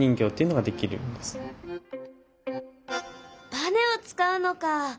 ばねを使うのか。